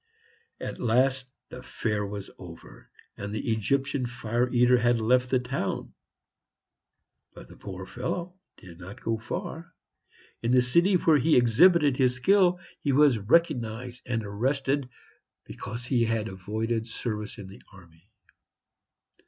At last the fair was over, and the Egyptian fire eater had left the town. But the poor fellow did not go far. In the city where he exhibited his skill he was recognized and arrested, because he had avoided service in the army.